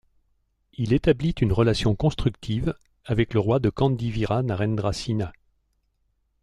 Il établit une relation constructive avec le roi de Kandy Vira Narendra Sinha.